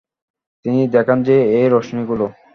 তিনি দেখান যে এই রশ্মিগুলো